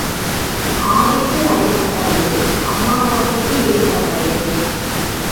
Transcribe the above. ஆடிக்கு அடைபட்டவளே, அமாவாசைக்கு வெளிப்பட்டவளே!